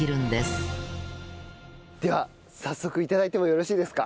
では早速頂いてもよろしいですか？